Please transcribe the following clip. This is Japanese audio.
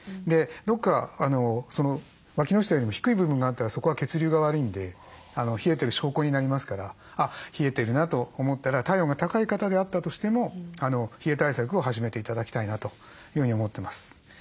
どこか脇の下よりも低い部分があったらそこは血流が悪いんで冷えてる証拠になりますから「あっ冷えてるな」と思ったら体温が高い方であったとしても冷え対策を始めて頂きたいなというふうに思ってます。